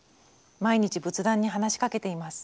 毎日仏壇に話しかけています。